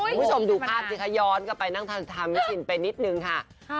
คุณผู้ชมดูภาพเจ๊คอย้อนกลับไปนั่งถามรายชินไปนิดนึงครับ